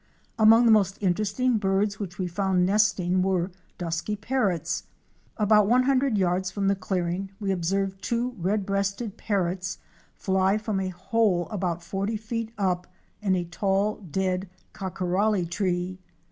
Among the most interesting birds which we found nesting were Dusky Parrots." About one hundred yards from the clearing we observed two red breasted Parrots fly from a Fic. 140. Younc Dusky Parrots. hole about forty feet up in a tall dead kakeralli tree.